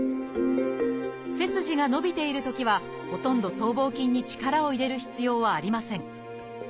背筋が伸びているときはほとんど僧帽筋に力を入れる必要はありません。